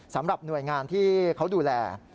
สำหรับหน่วยงานที่เขาดูแล